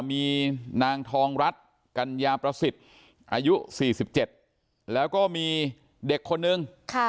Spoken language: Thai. มีนางทองรัฐกัญญาประสิทธิ์อายุสี่สิบเจ็ดแล้ว็อมีเด็กคนหนึ่งค่ะ